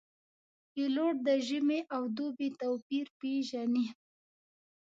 پیلوټ د ژمي او دوبي توپیر پېژني.